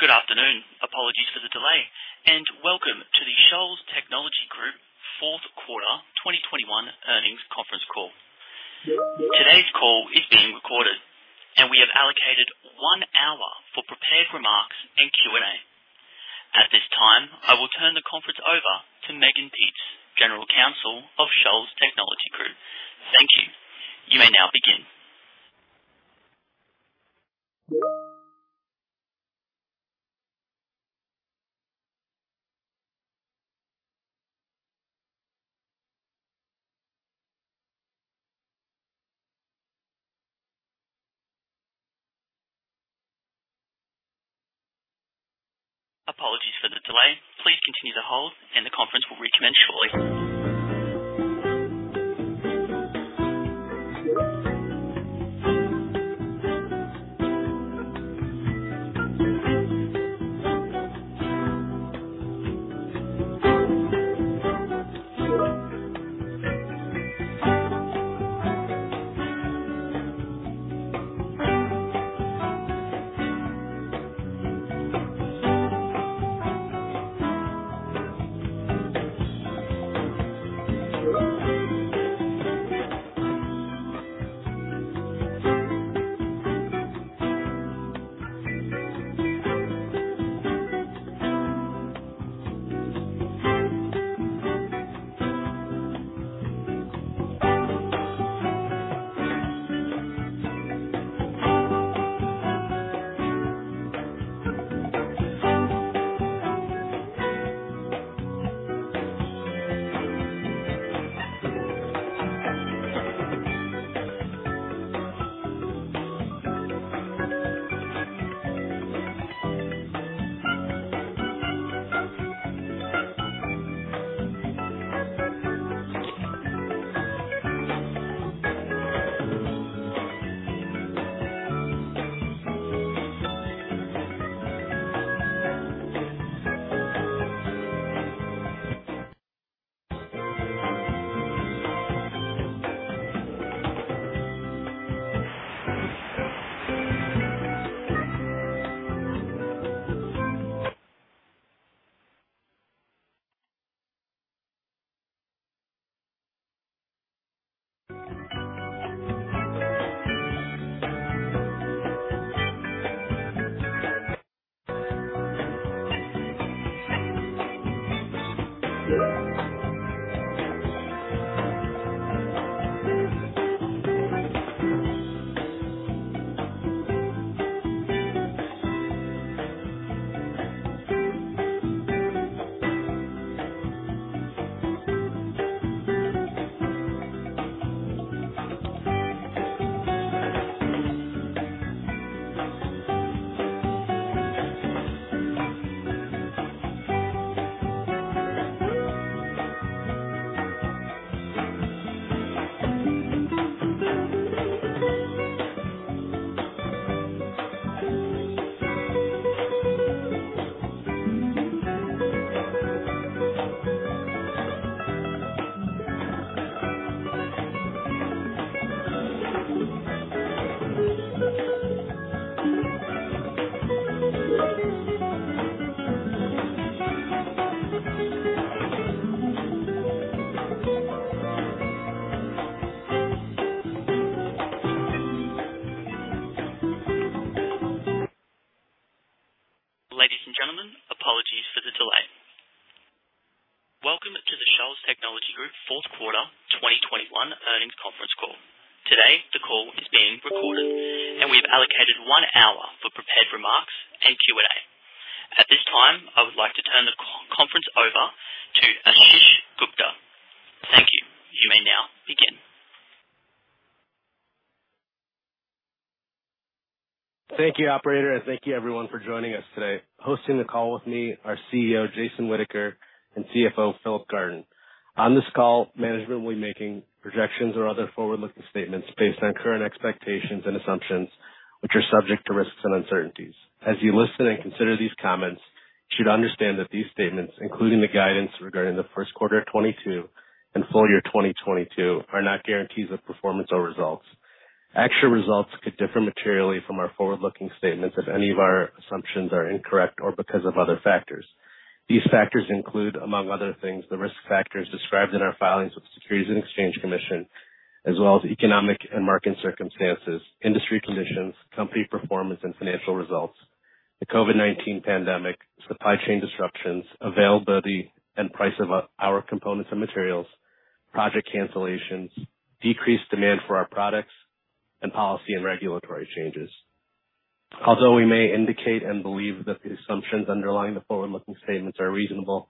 Ladies and gentlemen, apologies for the delay. Welcome to the Shoals Technologies Group fourth quarter 2021 earnings conference call. Today, the call is being recorded, and we've allocated one hour for prepared remarks and Q&A. At this time, I would like to turn the conference over to [Ashish Gupta]. Thank you. You may now begin. Thank you, operator, and thank you everyone for joining us today. Hosting the call with me are CEO Jason Whitaker and CFO Philip Garton. On this call, management will be making projections or other forward-looking statements based on current expectations and assumptions which are subject to risks and uncertainties. As you listen and consider these comments, you should understand that these statements, including the guidance regarding the first quarter of 2022 and full year 2022, are not guarantees of performance or results. Actual results could differ materially from our forward-looking statements if any of our assumptions are incorrect or because of other factors. These factors include, among other things, the risk factors described in our filings with Securities and Exchange Commission, as well as economic and market circumstances, industry conditions, company performance and financial results, the COVID-19 pandemic, supply chain disruptions, availability and price of our components and materials, project cancellations, decreased demand for our products, and policy and regulatory changes. Although we may indicate and believe that the assumptions underlying the forward-looking statements are reasonable,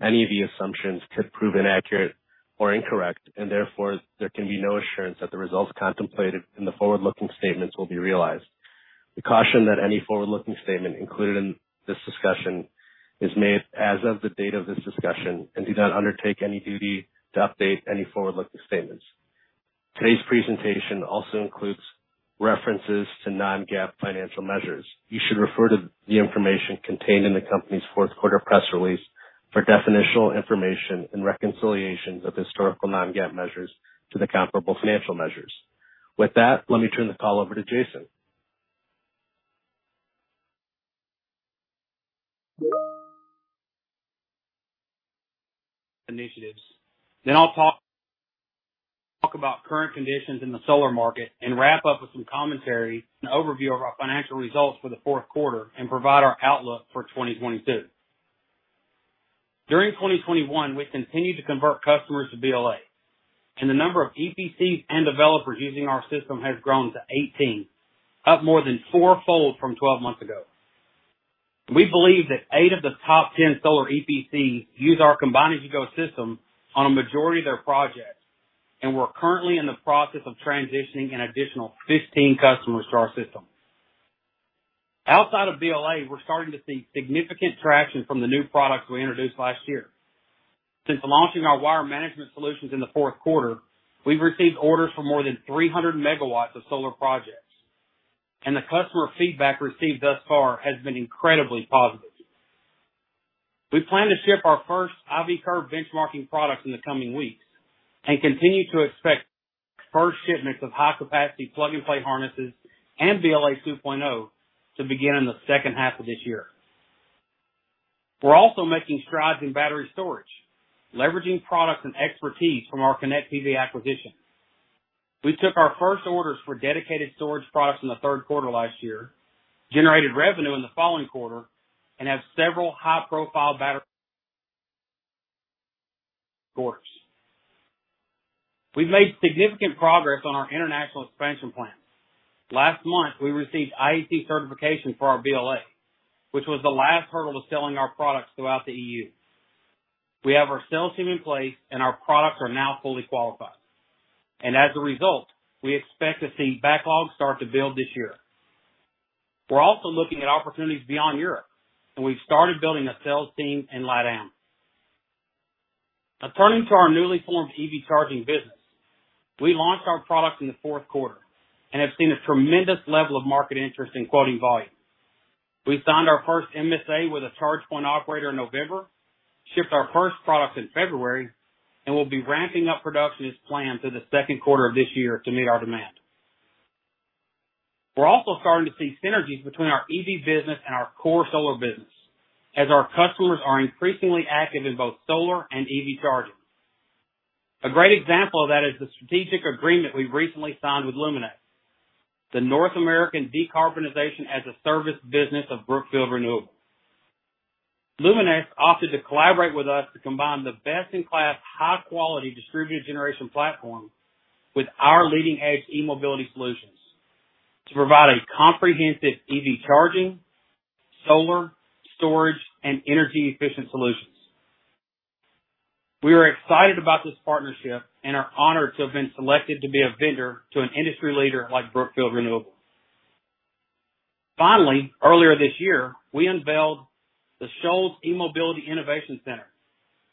any of the assumptions could prove inaccurate or incorrect, and therefore there can be no assurance that the results contemplated in the forward-looking statements will be realized. We caution that any forward-looking statement included in this discussion is made as of the date of this discussion and do not undertake any duty to update any forward-looking statements. Today's presentation also includes references to non-GAAP financial measures. You should refer to the information contained in the company's fourth quarter press release for definitional information and reconciliations of historical non-GAAP measures to the comparable financial measures. With that, let me turn the call over to Jason. initiatives. I'll talk about current conditions in the solar market and wrap up with some commentary and overview of our financial results for the fourth quarter and provide our outlook for 2022. During 2021, we continued to convert customers to BLA, and the number of EPCs and developers using our system has grown to 18, up more than four-fold from 12 months ago. We believe that eight of the top 10 solar EPCs use our combine-as-you-go system on a majority of their projects, and we're currently in the process of transitioning an additional 15 customers to our system. Outside of BLA, we're starting to see significant traction from the new products we introduced last year. Since launching our wire management solutions in the fourth quarter, we've received orders for more than 300 MW of solar projects, and the customer feedback received thus far has been incredibly positive. We plan to ship our first IV curve benchmarking products in the coming weeks and continue to expect first shipments of high-capacity plug-and-play harnesses and BLA 2.0 to begin in the second half of this year. We're also making strides in battery storage, leveraging products and expertise from our ConnectPV acquisition. We took our first orders for dedicated storage products in the third quarter last year, generated revenue in the following quarter, and have several high-profile battery quarters. We've made significant progress on our international expansion plans. Last month, we received IEC certification for our BLA, which was the last hurdle to selling our products throughout the EU. We have our sales team in place, and our products are now fully qualified. As a result, we expect to see backlogs start to build this year. We're also looking at opportunities beyond Europe, and we've started building a sales team in LATAM. Now turning to our newly formed EV charging business. We launched our product in the fourth quarter and have seen a tremendous level of market interest in quoting volume. We signed our first MSA with a charge point operator in November, shipped our first product in February, and we'll be ramping up production as planned through the second quarter of this year to meet our demand. We're also starting to see synergies between our EV business and our core solar business as our customers are increasingly active in both solar and EV charging. A great example of that is the strategic agreement we've recently signed with Luminace, the North American decarbonization-as-a-service business of Brookfield Renewable. Luminace offered to collaborate with us to combine the best-in-class, high-quality distributed generation platform with our leading-edge e-mobility solutions to provide a comprehensive EV charging, solar, storage, and energy-efficient solutions. We are excited about this partnership and are honored to have been selected to be a vendor to an industry leader like Brookfield Renewable. Finally, earlier this year, we unveiled the Shoals eMobility Innovation Center,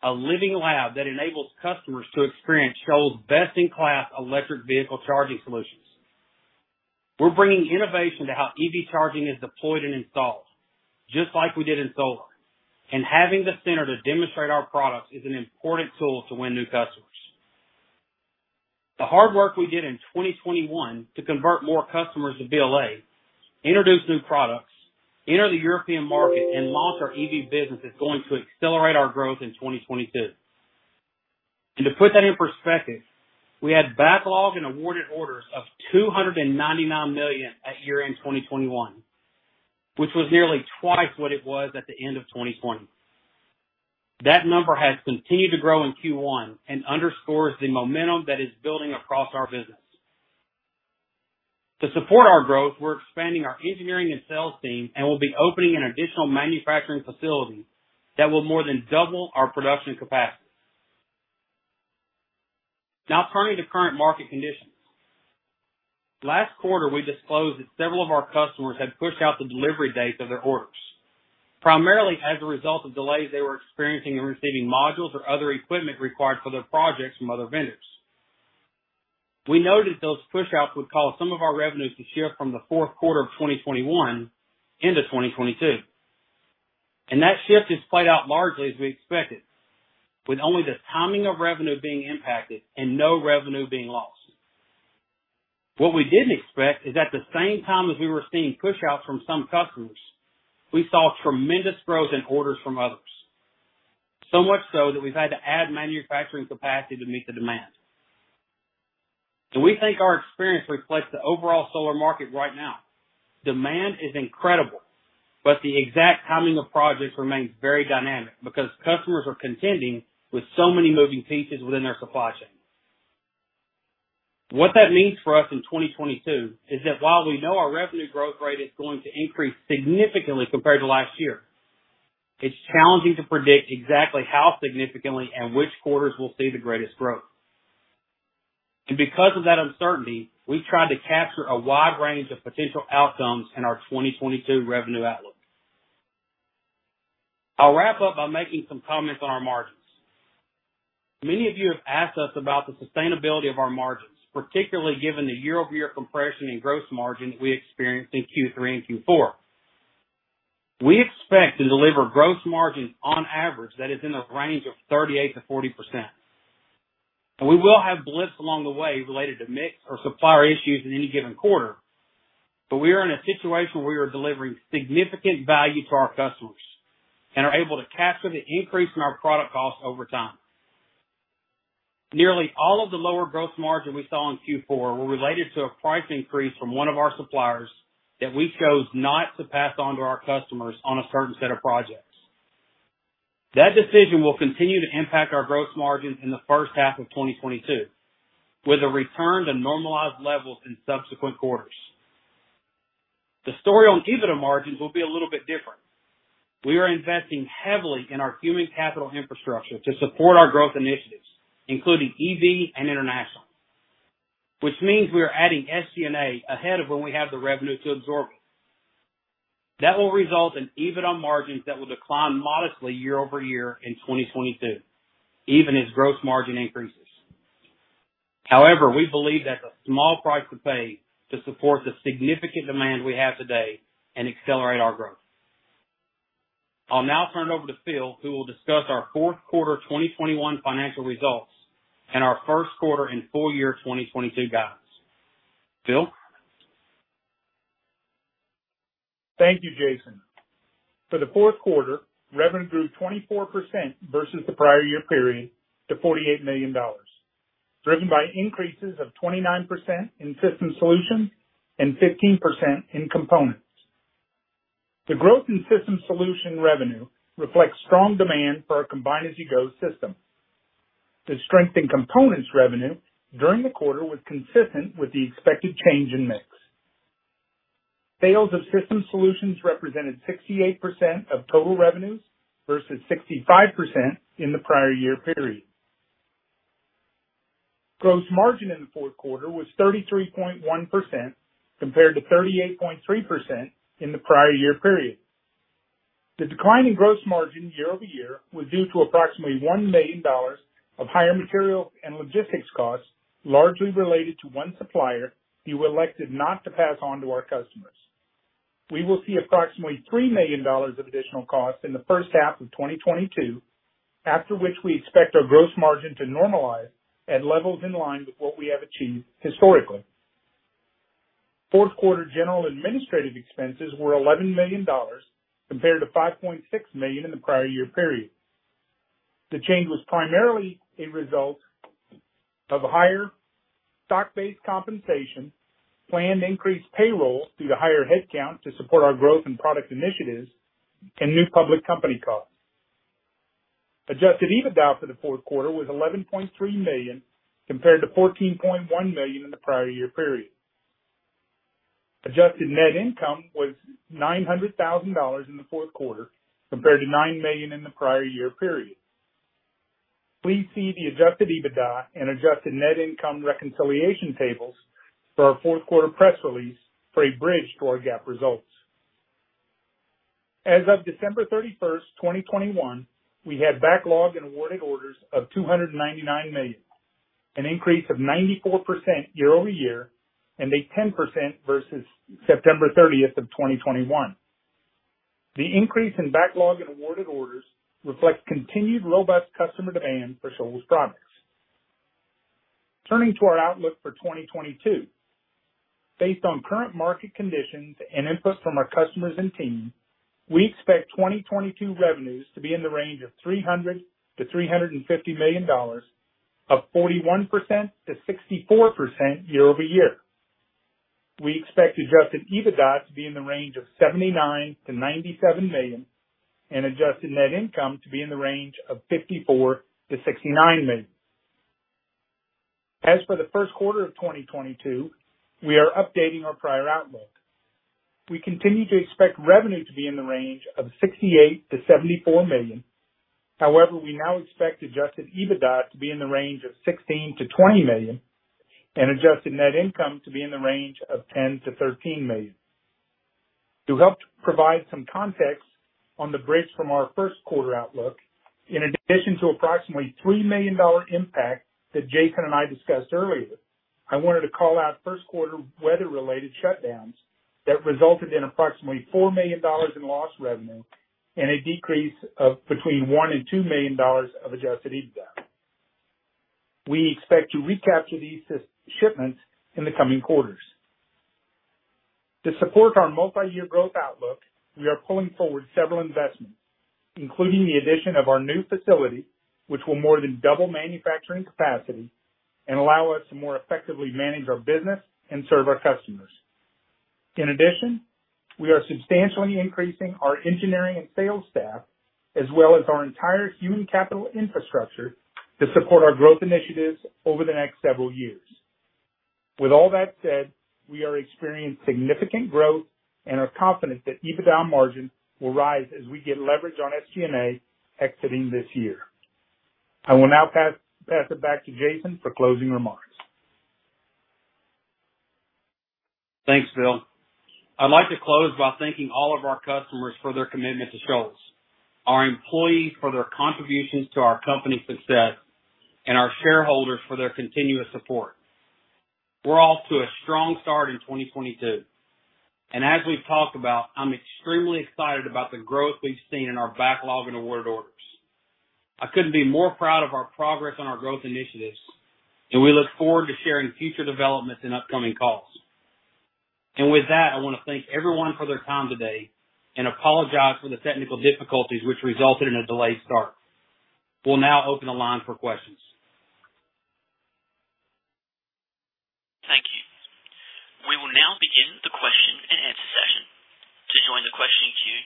a living lab that enables customers to experience Shoals' best-in-class electric vehicle charging solutions. We're bringing innovation to how EV charging is deployed and installed, just like we did in solar. Having the center to demonstrate our products is an important tool to win new customers. The hard work we did in 2021 to convert more customers to BLA, introduce new products, enter the European market, and launch our EV business is going to accelerate our growth in 2022. To put that in perspective, we had backlog and awarded orders of $299 million at year-end 2021, which was nearly twice what it was at the end of 2020. That number has continued to grow in Q1 and underscores the momentum that is building across our business. To support our growth, we're expanding our engineering and sales team and will be opening an additional manufacturing facility that will more than double our production capacity. Now turning to current market conditions. Last quarter, we disclosed that several of our customers had pushed out the delivery dates of their orders, primarily as a result of delays they were experiencing in receiving modules or other equipment required for their projects from other vendors. We noted those pushouts would cause some of our revenues to shift from the fourth quarter of 2021 into 2022. That shift has played out largely as we expected, with only the timing of revenue being impacted and no revenue being lost. What we didn't expect is at the same time as we were seeing pushouts from some customers, we saw tremendous growth in orders from others. So much so that we've had to add manufacturing capacity to meet the demand. We think our experience reflects the overall solar market right now. Demand is incredible, but the exact timing of projects remains very dynamic because customers are contending with so many moving pieces within their supply chain. What that means for us in 2022 is that while we know our revenue growth rate is going to increase significantly compared to last year, it's challenging to predict exactly how significantly and which quarters will see the greatest growth. Because of that uncertainty, we've tried to capture a wide range of potential outcomes in our 2022 revenue outlook. I'll wrap up by making some comments on our margins. Many of you have asked us about the sustainability of our margins, particularly given the year-over-year compression in gross margin we experienced in Q3 and Q4. We expect to deliver gross margins on average that is in the range of 38%-40%. We will have blips along the way related to mix or supplier issues in any given quarter, but we are in a situation where we are delivering significant value to our customers and are able to capture the increase in our product costs over time. Nearly all of the lower gross margin we saw in Q4 were related to a price increase from one of our suppliers that we chose not to pass on to our customers on a certain set of projects. That decision will continue to impact our gross margins in the first half of 2022, with a return to normalized levels in subsequent quarters. The story on EBITDA margins will be a little bit different. We are investing heavily in our human capital infrastructure to support our growth initiatives, including EV and international. Which means we are adding SG&A ahead of when we have the revenue to absorb it. That will result in EBITDA margins that will decline modestly year-over-year in 2022, even as gross margin increases. However, we believe that's a small price to pay to support the significant demand we have today and accelerate our growth. I'll now turn it over to Phil, who will discuss our fourth quarter 2021 financial results and our first quarter and full year 2022 guidance. Phil? Thank you, Jason. For the fourth quarter, revenue grew 24% versus the prior year period to $48 million, driven by increases of 29% in System Solutions and 15% in Components. The growth in System Solutions revenue reflects strong demand for our combine-as-you-go system. The strength in Components revenue during the quarter was consistent with the expected change in mix. Sales of System Solutions represented 68% of total revenues versus 65% in the prior year period. Gross margin in the fourth quarter was 33.1% compared to 38.3% in the prior year period. The decline in gross margin year-over-year was due to approximately $1 million of higher material and logistics costs, largely related to one supplier we elected not to pass on to our customers. We will see approximately $3 million of additional costs in the first half of 2022, after which we expect our gross margin to normalize at levels in line with what we have achieved historically. Fourth quarter general administrative expenses were $11 million, compared to $5.6 million in the prior year period. The change was primarily a result of higher stock-based compensation, planned increased payroll due to higher headcount to support our growth in product initiatives, and new public company costs. Adjusted EBITDA for the fourth quarter was $11.3 million, compared to $14.1 million in the prior year period. Adjusted net income was $900,000 in the fourth quarter, compared to $9 million in the prior year period. Please see the adjusted EBITDA and adjusted net income reconciliation tables for our fourth quarter press release for a bridge to our GAAP results. As of December 31st, 2021, we had backlog and awarded orders of $299 million, an increase of 94% year-over-year and 10% versus September 30th of 2021. The increase in backlog and awarded orders reflect continued robust customer demand for Shoals products. Turning to our outlook for 2022. Based on current market conditions and input from our customers and team, we expect 2022 revenues to be in the range of $300 million-$350 million, up 41%-64% year-over-year. We expect adjusted EBITDA to be in the range of $79 million-$97 million and adjusted net income to be in the range of $54 million-$69 million. As for the first quarter of 2022, we are updating our prior outlook. We continue to expect revenue to be in the range of $68 million-$74 million. However, we now expect adjusted EBITDA to be in the range of $16 million-$20 million and adjusted net income to be in the range of $10 million-$13 million. To help provide some context on the bridge from our first quarter outlook, in addition to approximately $3 million impact that Jason and I discussed earlier, I wanted to call out first quarter weather-related shutdowns that resulted in approximately $4 million in lost revenue and a decrease of between $1 million and $2 million of adjusted EBITDA. We expect to recapture these system shipments in the coming quarters. To support our multi-year growth outlook, we are pulling forward several investments, including the addition of our new facility, which will more than double manufacturing capacity and allow us to more effectively manage our business and serve our customers. In addition, we are substantially increasing our engineering and sales staff, as well as our entire human capital infrastructure to support our growth initiatives over the next several years. With all that said, we are experiencing significant growth and are confident that EBITDA margin will rise as we get leverage on SG&A exiting this year. I will now pass it back to Jason for closing remarks. Thanks, Phil. I'd like to close by thanking all of our customers for their commitment to Shoals, our employees for their contributions to our company success, and our shareholders for their continuous support. We're off to a strong start in 2022. As we've talked about, I'm extremely excited about the growth we've seen in our backlog and awarded orders. I couldn't be more proud of our progress on our growth initiatives, and we look forward to sharing future developments in upcoming calls. With that, I wanna thank everyone for their time today and apologize for the technical difficulties which resulted in a delayed start. We'll now open the line for questions. Thank you. We will now begin the question and answer session. To join the question queue,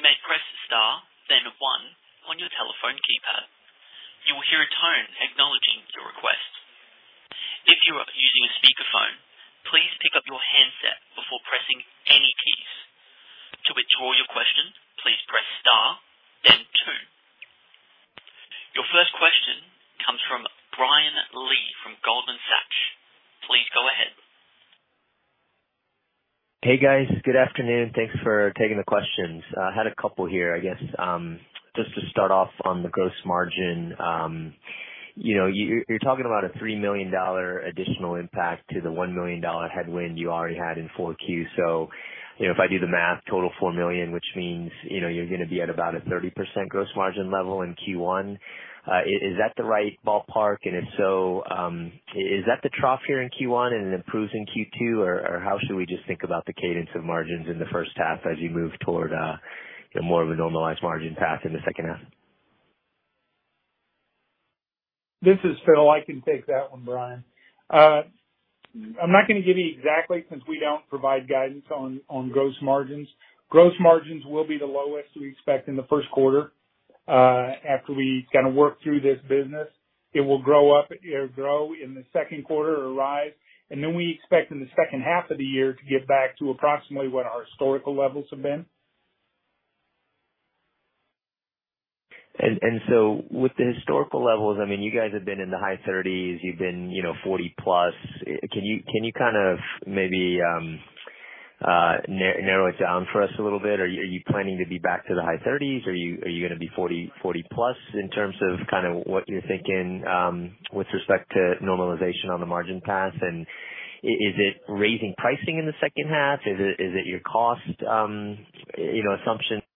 you may press star then one on your telephone keypad. You will hear a tone acknowledging your request. If you are using a speakerphone, please pick up your handset before pressing any keys. To withdraw your question, please press star then two. Your first question comes from Brian Lee from Goldman Sachs. Please go ahead. Hey, guys. Good afternoon. Thanks for taking the questions. I had a couple here, I guess. Just to start off on the gross margin, you know, you're talking about a $3 million additional impact to the $1 million headwind you already had in 4Q. So, you know, if I do the math, total $4 million, which means, you know, you're gonna be at about a 30% gross margin level in Q1. Is that the right ballpark? And if so, is that the trough here in Q1 and it improves in Q2? Or how should we just think about the cadence of margins in the first half as you move toward, you know, more of a normalized margin path in the second half? This is Phil. I can take that one, Brian. I'm not gonna give you exactly, since we don't provide guidance on gross margins. Gross margins will be the lowest we expect in the first quarter. After we kinda work through this business, it will grow up or grow in the second quarter or rise. We expect in the second half of the year to get back to approximately what our historical levels have been. With the historical levels, I mean, you guys have been in the high 30s%, you've been, you know, 40%+. Can you kind of maybe narrow it down for us a little bit? Are you planning to be back to the high 30s%? Are you gonna be 40%+ in terms of kinda what you're thinking with respect to normalization on the margin path? Is it raising pricing in the second half? Is it your cost, you know, assumption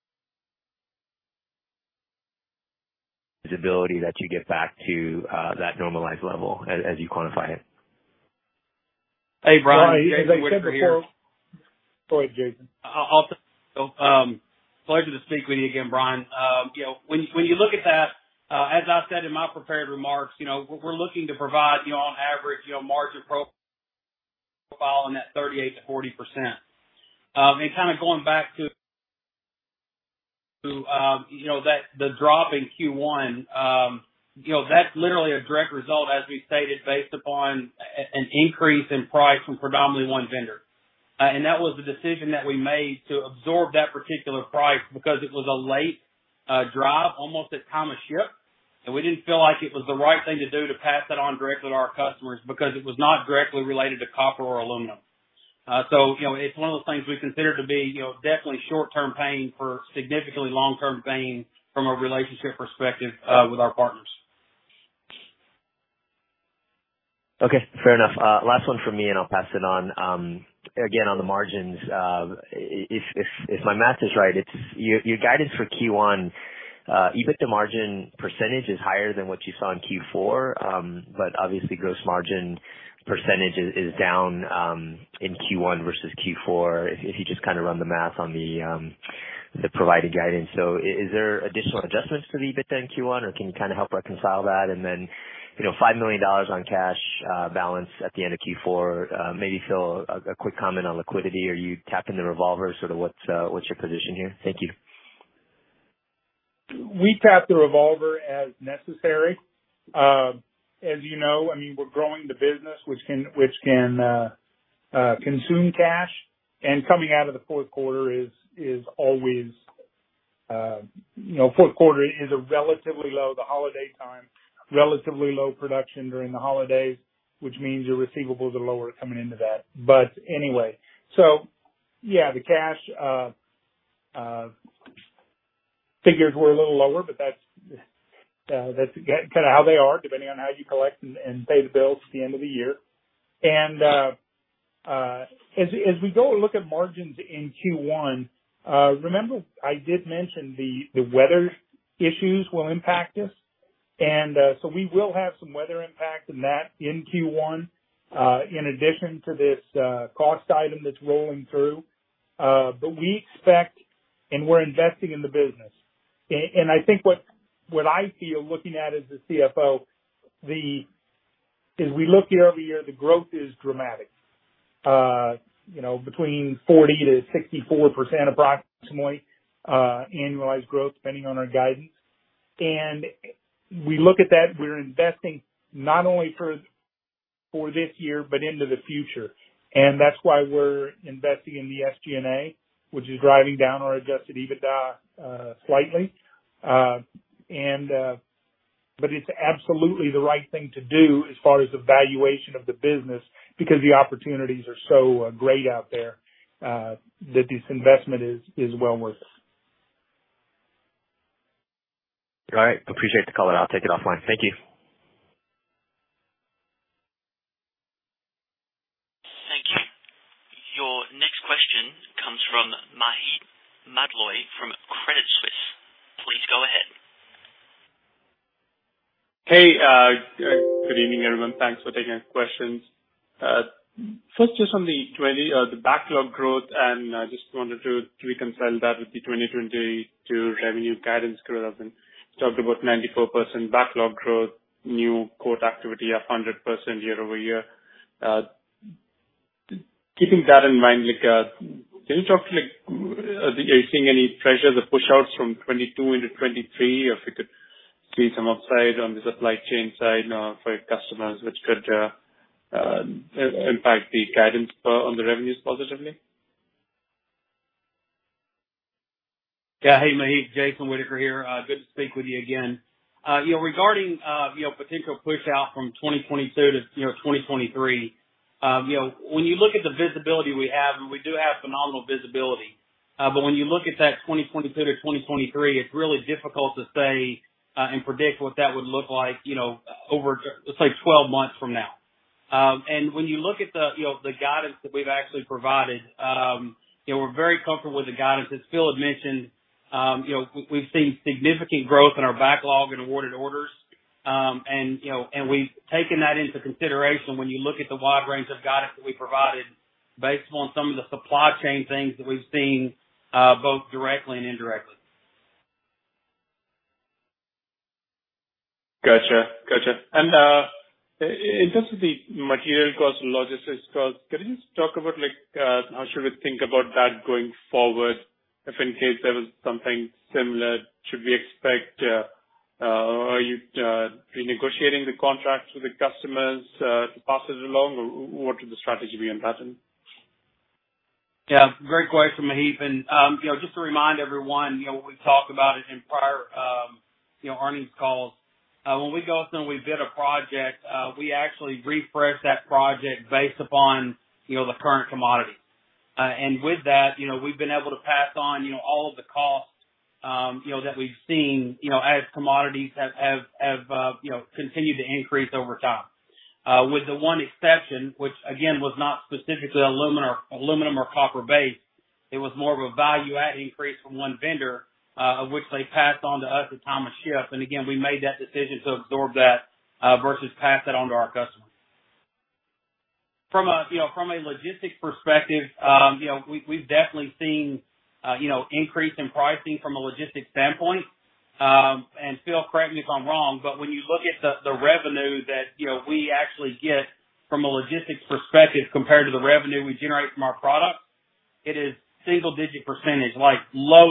visibility that you get back to that normalized level as you quantify it? Hey, Brian. Jason here. Go ahead, Jason. Pleasure to speak with you again, Brian. You know, when you look at that, as I said in my prepared remarks, you know, we're looking to provide, you know, on average, you know, margin profile in that 38%-40%. Kinda going back to, you know, the drop in Q1, you know, that's literally a direct result, as we stated, based upon an increase in price from predominantly one vendor. That was the decision that we made to absorb that particular price because it was a late drop, almost at time of ship. We didn't feel like it was the right thing to do to pass that on directly to our customers because it was not directly related to copper or aluminum. You know, it's one of those things we considered to be, you know, definitely short-term pain for significantly long-term gain from a relationship perspective with our partners. Okay, fair enough. Last one from me, and I'll pass it on. Again, on the margins, if my math is right, it's your guidance for Q1, EBITDA margin percentage is higher than what you saw in Q4. But obviously, gross margin percentage is down in Q1 versus Q4 if you just kinda run the math on the provided guidance. Is there additional adjustments to the EBITDA in Q1, or can you kinda help reconcile that? Then, you know, $5 million on cash balance at the end of Q4, maybe fill a quick comment on liquidity. Are you tapping the revolver? Sort of what's your position here? Thank you. We tap the revolver as necessary. As you know, I mean, we're growing the business, which can consume cash, and coming out of the fourth quarter is always, fourth quarter is relatively low production during the holidays, which means your receivables are lower coming into that. Anyway, yeah, the cash figures were a little lower, but that's kinda how they are, depending on how you collect and pay the bills at the end of the year. As we go look at margins in Q1, remember I did mention the weather issues will impact us. We will have some weather impact in that in Q1, in addition to this cost item that's rolling through. We expect and we're investing in the business. I think what I feel looking at as the CFO, as we look year-over-year, the growth is dramatic. You know, between 40%-64% approximately, annualized growth, depending on our guidance. We look at that, we're investing not only for this year, but into the future. That's why we're investing in the SG&A, which is driving down our adjusted EBITDA slightly. It's absolutely the right thing to do as far as the valuation of the business, because the opportunities are so great out there that this investment is well worth it. All right. Appreciate the call. I'll take it offline. Thank you. Thank you. Your next question comes from Maheep Mandloi from Credit Suisse. Please go ahead. Hey, good evening, everyone. Thanks for taking our questions. First, just on the backlog growth, and I just wanted to reconcile that with the 2022 revenue guidance growth. You talked about 94% backlog growth, new quote activity of 100% year-over-year. Keeping that in mind, like, can you talk through, like, are you seeing any pressure, the pushouts from 2022 into 2023? If we could see some upside on the supply chain side now for your customers, which could impact the guidance on the revenues positively. Yeah. Hey, Maheep, Jason Whitaker here. Good to speak with you again. You know, regarding, you know, potential pushout from 2022 to, you know, 2023, you know, when you look at the visibility we have, and we do have phenomenal visibility, but when you look at that 2022 to 2023, it's really difficult to say, and predict what that would look like, you know, over let's say, 12 months from now. When you look at the, you know, the guidance that we've actually provided, you know, we're very comfortable with the guidance. As Phil had mentioned, you know, we've seen significant growth in our backlog and awarded orders. You know, we've taken that into consideration when you look at the wide range of guidance that we provided based on some of the supply chain things that we've seen, both directly and indirectly. Gotcha. In terms of the material costs and logistics costs, could you just talk about like, how should we think about that going forward if in case there was something similar, should we expect, are you renegotiating the contracts with the customers to pass those along, or what would the strategy be on that end? Yeah, great question, Maheep. You know, just to remind everyone, you know, when we talk about it in prior, you know, earnings calls, when we go out and we bid a project, we actually refresh that project based upon, you know, the current commodity. With that, you know, we've been able to pass on, you know, all of the costs, you know, that we've seen, you know, as commodities have continued to increase over time. With the one exception, which again, was not specifically aluminum- or copper-based, it was more of a value-add increase from one vendor, of which they passed on to us at time of ship. We made that decision to absorb that, versus pass that on to our customers. From a logistics perspective, you know, we've definitely seen you know increase in pricing from a logistics standpoint. Phil, correct me if I'm wrong, but when you look at the revenue that, you know, we actually get from a logistics perspective compared to the revenue we generate from our products, it is single digit percentage, like low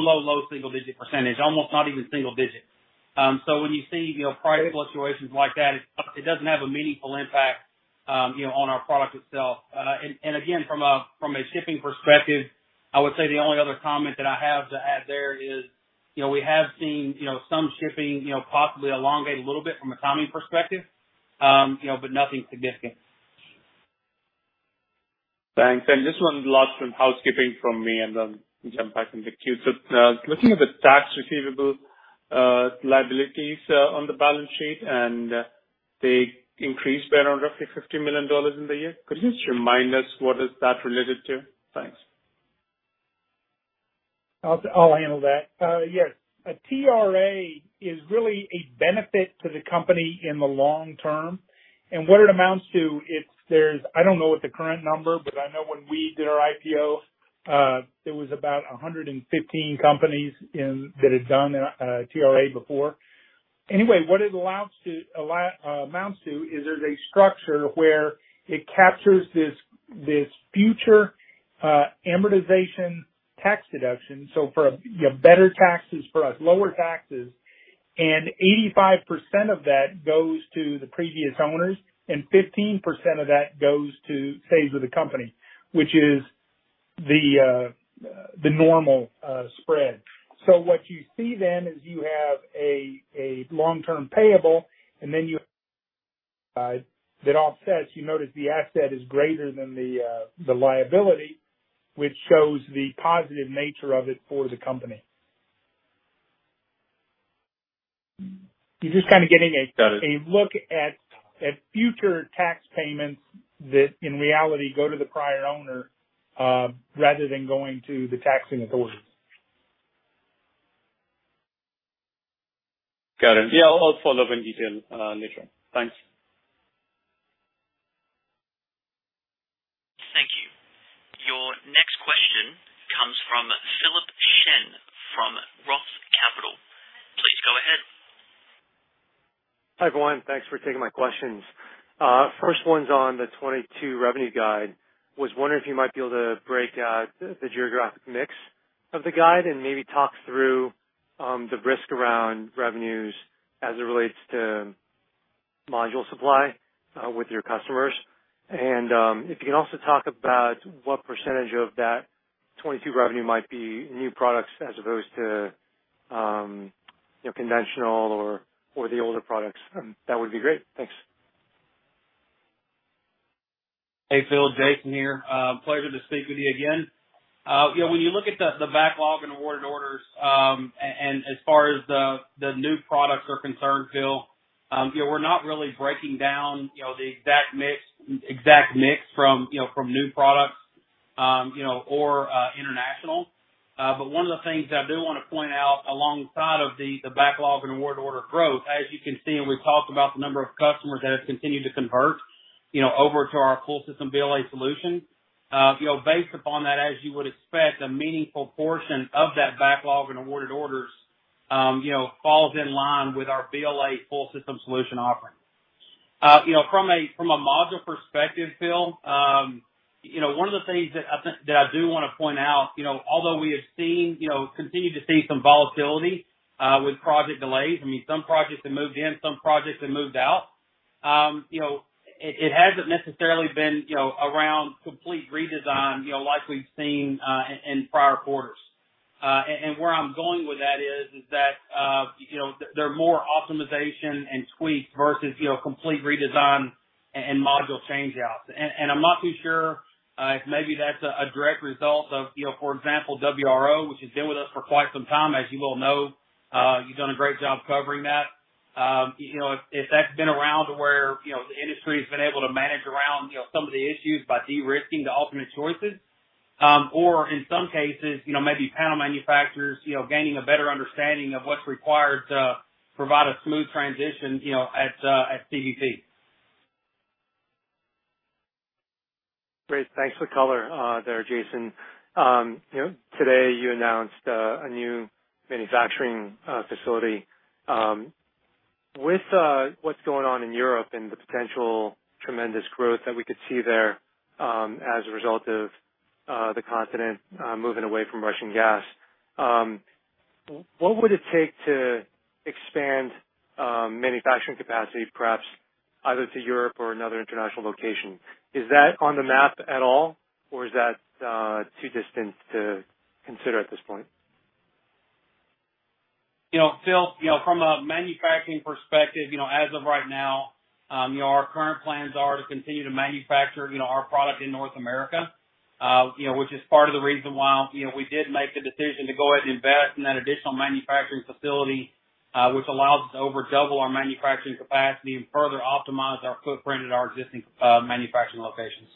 single digit percentage, almost not even single digits. When you see, you know, price fluctuations like that, it doesn't have a meaningful impact, you know, on our product itself. From a shipping perspective, I would say the only other comment that I have to add there is, you know, we have seen, you know, some shipping, you know, possibly elongate a little bit from a timing perspective, you know, but nothing significant. Thanks. This one last one, housekeeping from me, and then jump back in the queue. Looking at the tax receivable liabilities on the balance sheet, and they increased by around roughly $50 million in the year. Could you just remind us what is that related to? Thanks. I'll handle that. Yes. A TRA is really a benefit to the company in the long term. And what it amounts to, I don't know what the current number is, but I know when we did our IPO, there was about 115 companies that had done a TRA before. Anyway, what it amounts to is there's a structure where it captures this future amortization tax deduction. For you know, better taxes for us, lower taxes, and 85% of that goes to the previous owners, and 15% of that stays with the company, which is the normal spread. What you see then is you have a long-term payable, and then that offsets. You notice the asset is greater than the liability, which shows the positive nature of it for the company. You're just kind of getting a. Got it. A look at future tax payments that in reality go to the prior owner, rather than going to the taxing authorities. Got it. Yeah, I'll follow up in detail, later. Thanks. Thank you. Your next question comes from Philip Shen from Roth Capital. Please go ahead. Hi, everyone. Thanks for taking my questions. First one's on the 2022 revenue guide. Was wondering if you might be able to break out the geographic mix of the guide and maybe talk through the risk around revenues as it relates to module supply with your customers. If you can also talk about what percentage of that 2022 revenue might be new products as opposed to you know conventional or the older products, that would be great. Thanks. Hey, Phil, Jason here. Pleasure to speak with you again. You know, when you look at the backlog and awarded orders, and as far as the new products are concerned, Phil, you know, we're not really breaking down the exact mix from new products or international. But one of the things I do wanna point out alongside of the backlog and awarded order growth, as you can see, and we've talked about the number of customers that have continued to convert over to our full system BLA solution. You know, based upon that, as you would expect, a meaningful portion of that backlog and awarded orders falls in line with our BLA full system solution offering. You know, from a module perspective, Phil, you know, one of the things that I do wanna point out, you know, although we have seen continued to see some volatility with project delays, I mean, some projects have moved in, some projects have moved out. You know, it hasn't necessarily been around complete redesign, you know, like we've seen in prior quarters. Where I'm going with that is that you know, there are more optimization and tweaks versus you know, complete redesign and module change outs. I'm not too sure if maybe that's a direct result of, you know, for example, WRO, which has been with us for quite some time, as you well know. You've done a great job covering that. You know, if that's been around to where, you know, the industry's been able to manage around, you know, some of the issues by de-risking the ultimate choices. Or in some cases, you know, maybe panel manufacturers, you know, gaining a better understanding of what's required to provide a smooth transition, you know, at CBP. Great. Thanks for the color there, Jason. You know, today you announced a new manufacturing facility. With what's going on in Europe and the potential tremendous growth that we could see there, as a result of the continent moving away from Russian gas, what would it take to expand manufacturing capacity perhaps either to Europe or another international location? Is that on the map at all, or is that too distant to consider at this point? You know, Phil, you know, from a manufacturing perspective, you know, as of right now, you know, our current plans are to continue to manufacture, you know, our product in North America. You know, which is part of the reason why, you know, we did make the decision to go ahead and invest in that additional manufacturing facility, which allows us to over double our manufacturing capacity and further optimize our footprint at our existing manufacturing locations.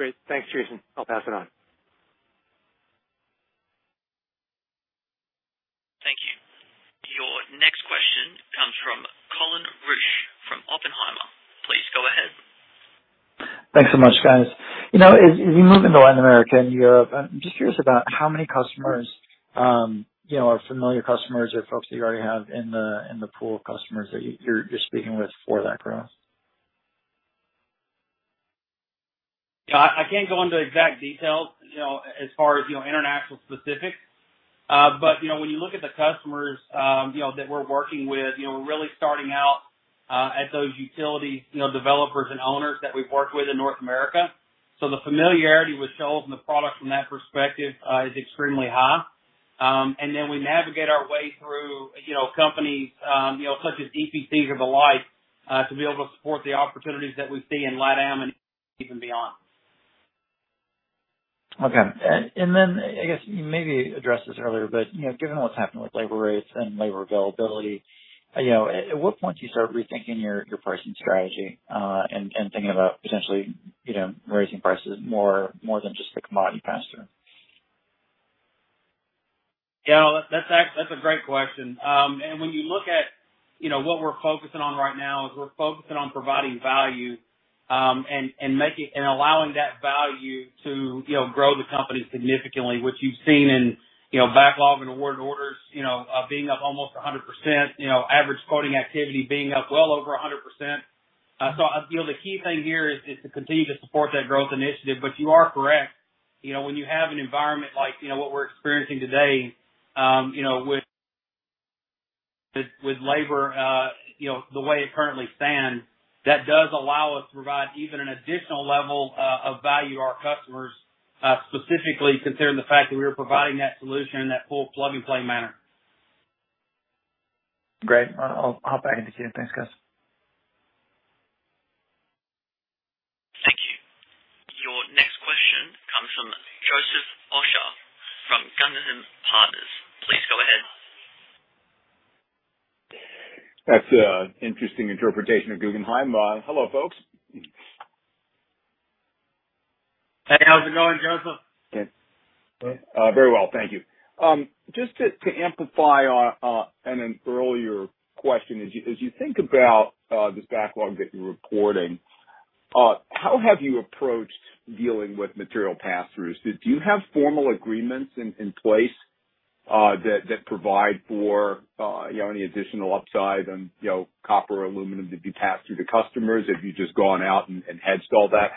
Great. Thanks, Jason. I'll pass it on. Thank you. Your next question comes from Colin Rusch from Oppenheimer. Please go ahead. Thanks so much, guys. You know, as you move into Latin America and Europe, I'm just curious about how many customers, you know, are familiar customers or folks that you already have in the pool of customers that you're speaking with for that growth? Yeah. I can't go into exact details, you know, as far as, you know, international specifics. You know, when you look at the customers, you know, that we're working with, you know, we're really starting out at those utility, you know, developers and owners that we've worked with in North America. The familiarity with Shoals and the product from that perspective is extremely high. We navigate our way through, you know, companies, you know, such as EPCs or the like to be able to support the opportunities that we see in LATAM and even beyond. Okay. I guess you maybe addressed this earlier, but you know, given what's happening with labor rates and labor availability, you know, at what point do you start rethinking your pricing strategy, and thinking about potentially, you know, raising prices more than just the commodity pass-through? Yeah. That's a great question. When you look at, you know, what we're focusing on right now is we're focusing on providing value, and making and allowing that value to, you know, grow the company significantly, which you've seen in, you know, backlog and awarded orders, you know, being up almost 100%, you know, average quoting activity being up well over 100%. The key thing here is to continue to support that growth initiative. You are correct. You know, when you have an environment like, you know, what we're experiencing today, you know, with labor, you know, the way it currently stands, that does allow us to provide even an additional level of value to our customers, specifically considering the fact that we are providing that solution in that full plug-and-play manner. Great. I'll hop back into queue. Thanks, guys. Thank you. Your next question comes from Joseph Osha from Guggenheim Partners. Please go ahead. That's an interesting interpretation of Guggenheim. Hello, folks. Hey, how's it going, Joseph? Good. Very well. Thank you. Just to amplify on an earlier question. As you think about this backlog that you're reporting, how have you approached dealing with material pass-throughs? Do you have formal agreements in place that provide for, you know, any additional upside on, you know, copper, aluminum to be passed through to customers? Have you just gone out and hedged all that?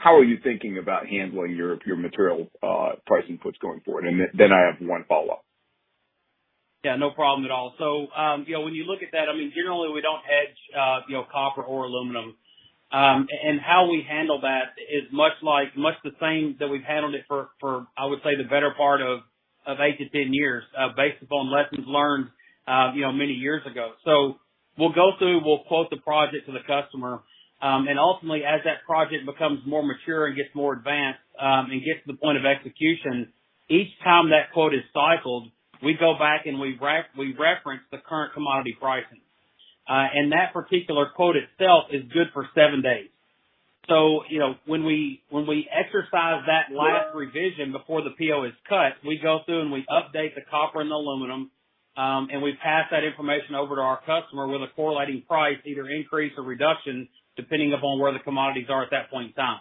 How are you thinking about handling your material price inputs going forward? I have one follow-up. Yeah, no problem at all. When you look at that, I mean, generally we don't hedge, you know, copper or aluminum. And how we handle that is much like, much the same that we've handled it for, I would say, the better part of eight to 10 years, based upon lessons learned, you know, many years ago. We'll go through, we'll quote the project to the customer, and ultimately as that project becomes more mature and gets more advanced, and gets to the point of execution, each time that quote is cycled, we go back and we reference the current commodity pricing. And that particular quote itself is good for seven days. You know, when we exercise that last revision before the PO is cut, we go through and we update the copper and the aluminum, and we pass that information over to our customer with a correlating price, either increase or reduction, depending upon where the commodities are at that point in time.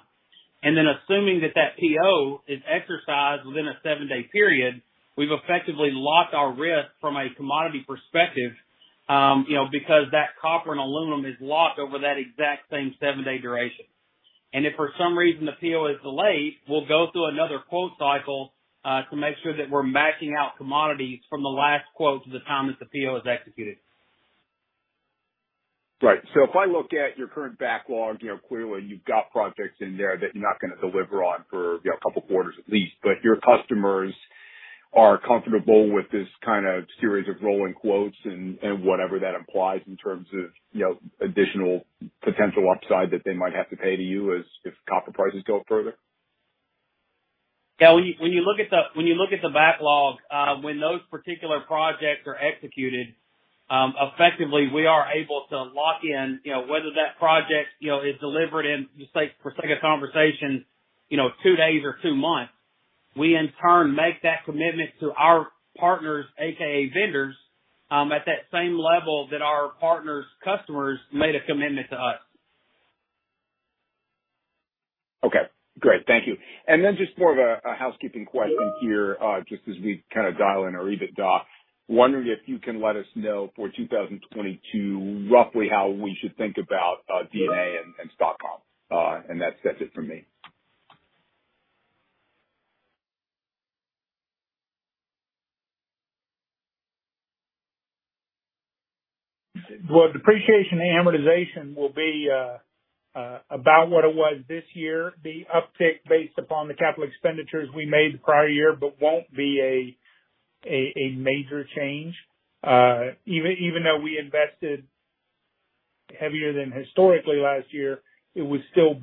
Assuming that PO is exercised within a seven-day period, we've effectively locked our risk from a commodity perspective, you know, because that copper and aluminum is locked over that exact same seven-day duration. If for some reason the PO is delayed, we'll go through another quote cycle to make sure that we're matching our commodities from the last quote to the time that the PO is executed. Right. If I look at your current backlog, you know, clearly you've got projects in there that you're not gonna deliver on for, you know, a couple of quarters at least. But your customers are comfortable with this kind of series of rolling quotes and whatever that implies in terms of, you know, additional potential upside that they might have to pay to you as if copper prices go further? Yeah. When you look at the backlog, when those particular projects are executed effectively, we are able to lock in, you know, whether that project, you know, is delivered in, just like, for sake of conversation, you know, two days or two months. We in turn make that commitment to our partners, AKA vendors, at that same level that our partners' customers made a commitment to us. Okay, great. Thank you. Then just more of a housekeeping question here, just as we kind of dial in our EBITDA. Wondering if you can let us know for 2022 roughly how we should think about D&A and stock comp? That's it from me. Well, depreciation and amortization will be about what it was this year. The uptick based upon the capital expenditures we made the prior year, but won't be a major change. Even though we invested heavier than historically last year, it's still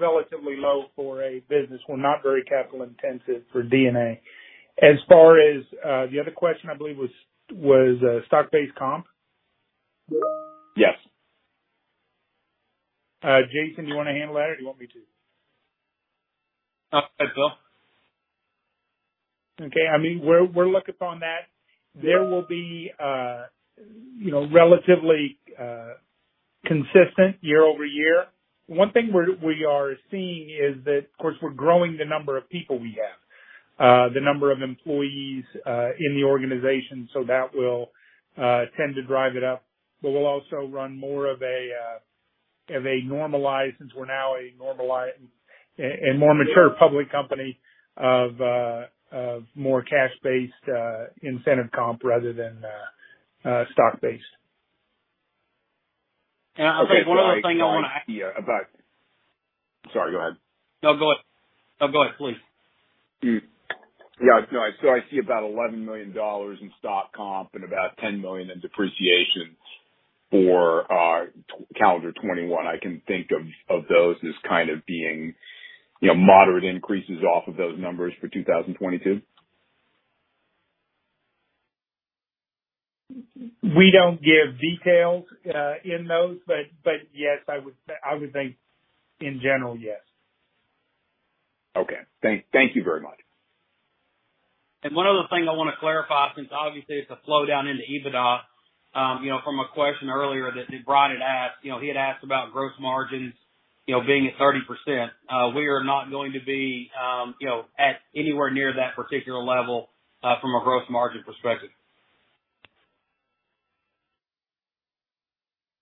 relatively low for a business. We're not very capital intensive for D&A. As far as the other question I believe was stock-based comp? Yes. Jason, do you wanna handle that or do you want me to? Go ahead, Phil. Okay. I mean, we're looking on that. There will be, you know, relatively consistent year-over-year. One thing we are seeing is that, of course, we're growing the number of people we have, the number of employees in the organization, so that will tend to drive it up. But we'll also run more of a normalized, since we're now a normalized and more mature public company of more cash-based incentive comp rather than stock-based. One of the things I want to add. Okay. Yeah. Sorry, go ahead. No, go ahead, please. Yeah. I see about $11 million in stock comp and about $10 million in depreciation for our calendar 2021. I can think of those as kind of being, you know, moderate increases off of those numbers for 2022? We don't give details in those, but yes, I would think in general, yes. Okay. Thank you very much. One other thing I wanna clarify, since obviously it's a flow down into EBITDA, you know, from a question earlier that Brian had asked, you know, he had asked about gross margins, you know, being at 30%. We are not going to be, you know, at anywhere near that particular level, from a gross margin perspective.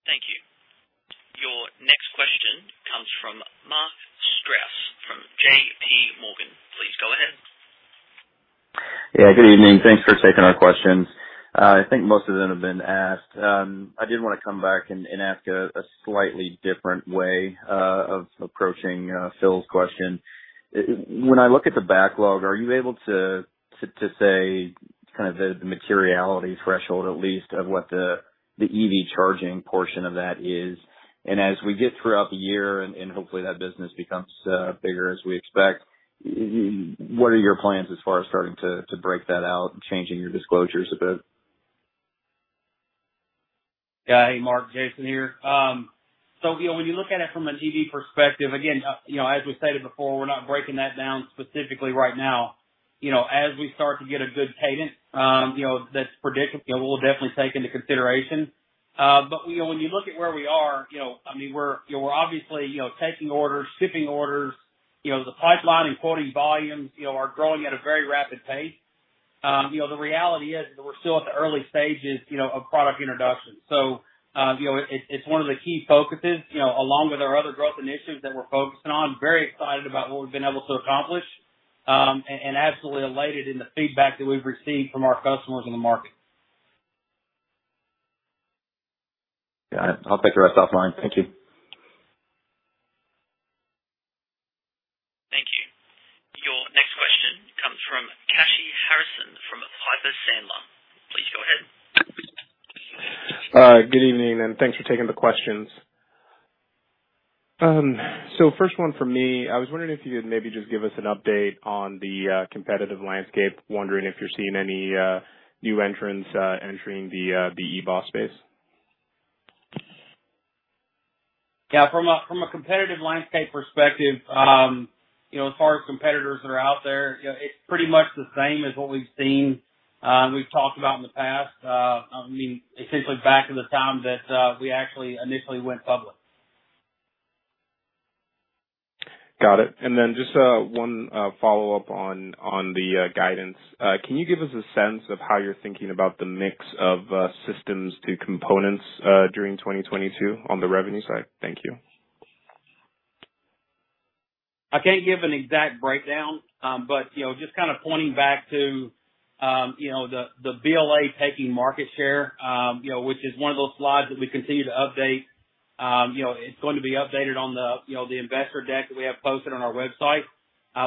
Thank you. Your next question comes from Mark Strouse from JPMorgan. Please go ahead. Yeah, good evening. Thanks for taking our questions. I think most of them have been asked. I did wanna come back and ask a slightly different way of approaching Phil's question. When I look at the backlog, are you able to say kind of the materiality threshold at least of what the EV charging portion of that is? And as we get throughout the year and hopefully that business becomes bigger as we expect, what are your plans as far as starting to break that out and changing your disclosures a bit? Yeah. Hey, Mark. Jason here. So, you know, when you look at it from an EV perspective, again, you know, as we stated before, we're not breaking that down specifically right now. You know, as we start to get a good cadence, you know, we'll definitely take into consideration. You know, when you look at where we are, you know, I mean, we're obviously taking orders, shipping orders, you know, the pipeline and quoting volumes, you know, are growing at a very rapid pace. You know, the reality is that we're still at the early stages of product introduction. It's one of the key focuses along with our other growth initiatives that we're focusing on. Very excited about what we've been able to accomplish. Absolutely elated with the feedback that we've received from our customers in the market. Yeah. I'll take the rest offline. Thank you. Thank you. Your next question comes from Kashy Harrison from Piper Sandler. Please go ahead. Good evening, thanks for taking the questions. First one from me, I was wondering if you could maybe just give us an update on the competitive landscape. Wondering if you're seeing any new entrants entering the EBOS space? Yeah. From a competitive landscape perspective, you know, as far as competitors that are out there, you know, it's pretty much the same as what we've seen, we've talked about in the past. I mean, essentially back in the time that we actually initially went public. Got it. Just one follow-up on the guidance. Can you give us a sense of how you're thinking about the mix of systems to components during 2022 on the revenue side? Thank you. I can't give an exact breakdown, but you know, just kind of pointing back to the BLA taking market share, you know, which is one of those slides that we continue to update. You know, it's going to be updated on the investor deck that we have posted on our website.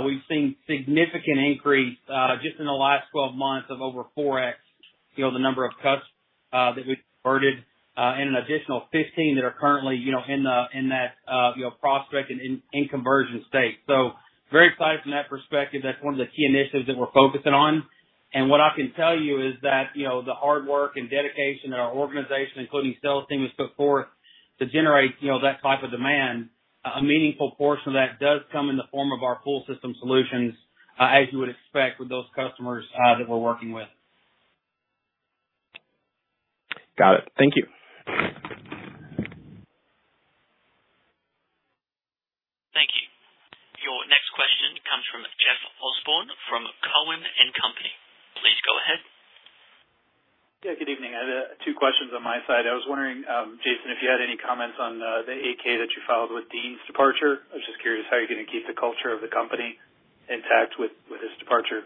We've seen significant increase just in the last 12 months of over 4x you know, the number of customers that we've converted, and an additional 15 that are currently you know, in that prospects in conversion state. Very excited from that perspective. That's one of the key initiatives that we're focusing on. What I can tell you is that, you know, the hard work and dedication that our organization, including sales team, has put forth to generate, you know, that type of demand, a meaningful portion of that does come in the form of our full system solutions, as you would expect with those customers, that we're working with. Got it. Thank you. Thank you. Your next question comes from Jeff Osborne from Cowen and Company. Please go ahead. Yeah, good evening. I had two questions on my side. I was wondering, Jason, if you had any comments on the 8-K that you filed with Dean's departure. I was just curious how you're gonna keep the culture of the company intact with his departure.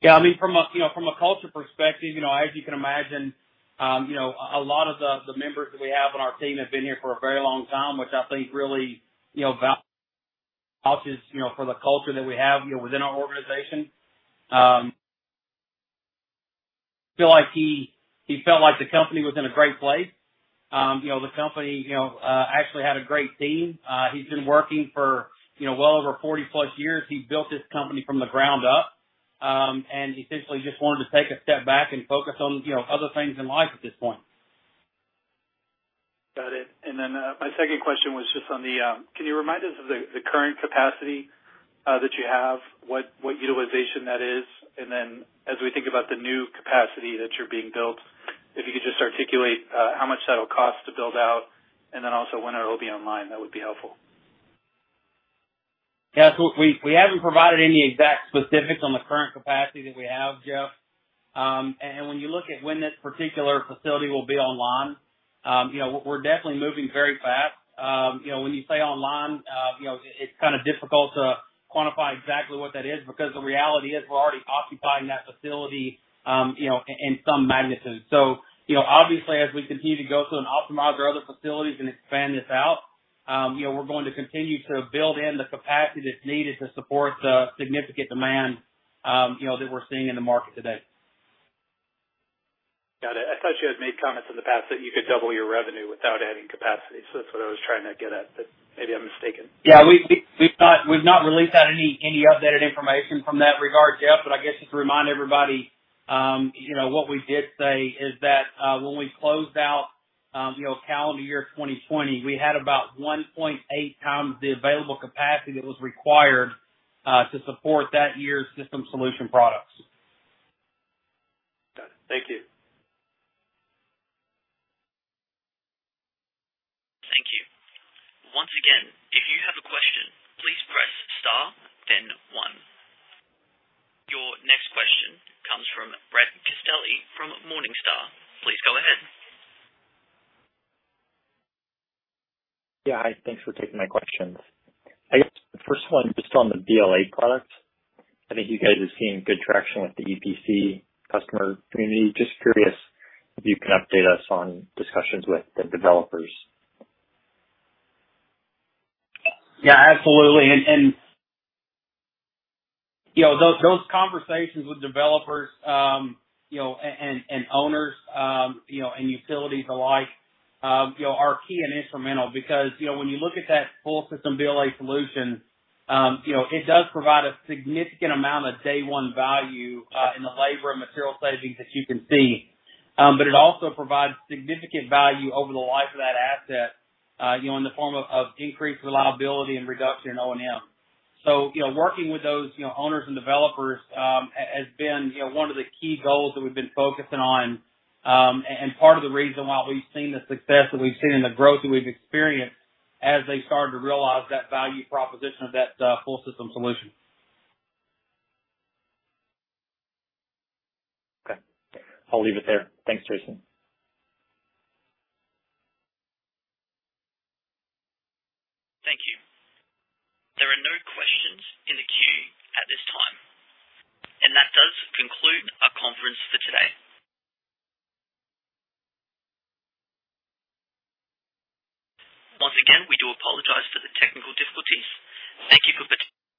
Yeah, I mean, from a culture perspective, you know, as you can imagine, a lot of the members that we have on our team have been here for a very long time, which I think really, you know, values, you know, for the culture that we have, you know, within our organization. I feel like he felt like the company was in a great place. You know, the company, you know, actually had a great team. He's been working for, you know, well over 40+ years. He built this company from the ground up and essentially just wanted to take a step back and focus on, you know, other things in life at this point. Got it. My second question was just on the, can you remind us of the current capacity that you have, what utilization that is? As we think about the new capacity that you're being built, if you could just articulate how much that'll cost to build out, and also when it will be online, that would be helpful. Yeah. We haven't provided any exact specifics on the current capacity that we have, Jeff. When you look at when this particular facility will be online, you know, we're definitely moving very fast. You know, when you say online, you know, it's kind of difficult to quantify exactly what that is because the reality is we're already occupying that facility, you know, in some magnitude. You know, obviously, as we continue to go through and optimize our other facilities and expand this out, you know, we're going to continue to build in the capacity that's needed to support the significant demand, you know, that we're seeing in the market today. Got it. I thought you had made comments in the past that you could double your revenue without adding capacity. That's what I was trying to get at, but maybe I'm mistaken. Yeah. We've not released any updated information in that regard, Jeff, but I guess just to remind everybody, you know, what we did say is that when we closed out calendar year 2020, we had about 1.8 times the available capacity that was required to support that year's system solution products. Got it. Thank you. Thank you. Once again, if you have a question, please press star then one. Your next question comes from Brett Castelli from Morningstar. Please go ahead. Yeah. Hi. Thanks for taking my questions. I guess the first one, just on the BLA products. I think you guys are seeing good traction with the EPC customer community. Just curious if you can update us on discussions with the developers. Yeah, absolutely. You know, those conversations with developers, you know, and owners, you know, and utilities alike, you know, are key and instrumental because, you know, when you look at that full system BLA solution, you know, it does provide a significant amount of day one value in the labor and material savings that you can see. It also provides significant value over the life of that asset, you know, in the form of increased reliability and reduction in O&M. You know, working with those, you know, owners and developers has been, you know, one of the key goals that we've been focusing on, and part of the reason why we've seen the success that we've seen and the growth that we've experienced as they started to realize that value proposition of that full system solution. Okay. I'll leave it there. Thanks, Jason. Thank you. There are no questions in the queue at this time, and that does conclude our conference for today. Once again, we do apologize for the technical difficulties. Thank you for participating.